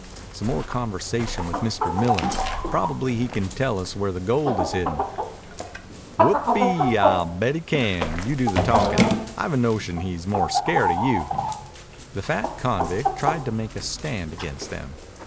"Some more conversation with Miller. Probably he can tell us where the gold is hidden." "Whoopee! I'll bet he can. You do the talkin'. I've a notion he's more scared of you." The fat convict tried to make a stand against them.